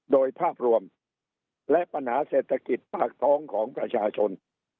โดยภาพรวมและปัญหาเศรษฐกิจปากท้องของประชาชน